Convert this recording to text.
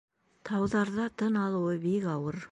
Тауҙарҙа тын алыуы бик ауыр.